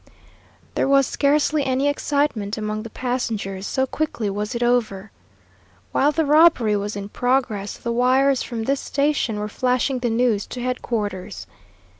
There was scarcely any excitement among the passengers, so quickly was it over. While the robbery was in progress the wires from this station were flashing the news to headquarters.